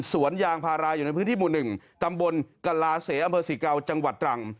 สวนยางพาราอยู่ในพื้นที่หมู่๑ตำบลกลาเสอำเภอศรีเกาจังหวัดตรัง